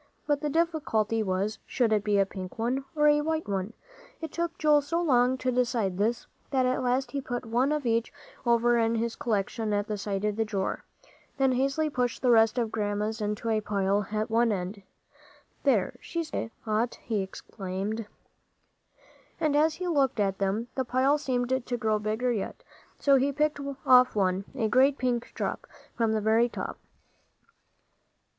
But the difficulty was, should it be a pink one or a white one? It took Joel so long to decide this, that at last he put one of each over in his collection at the side of the drawer, then hastily pushed the rest of Grandma's into a pile at one end. "There, she's got a lot," he exclaimed. And as he looked at them, the pile seemed to grow bigger yet; so he picked off one, a great pink drop, from the very top.